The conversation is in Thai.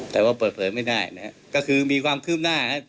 แต่ว่าเปิดเผยไม่ได้นะครับก็คือมีความคืบหน้าครับ